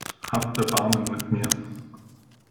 Habt Erbarmen mit mir!